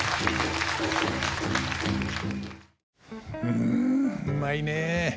うんうまいね。